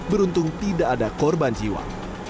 beruntung tidak ada korban jiwa